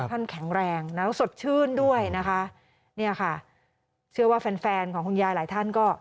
แข็งแรงนะสดชื่นด้วยนะคะเนี่ยค่ะเชื่อว่าแฟนแฟนของคุณยายหลายท่านก็